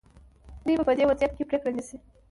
دوی به په دې وضعیت کې پرېکړه نیسي.